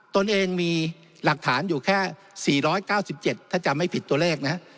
ตนเองมีหลักฐานอยู่แค่๔๙๗ถ้าจำไม่ผิดตัวเลขนะ